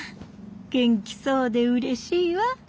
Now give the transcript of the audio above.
元気そうでうれしいわ。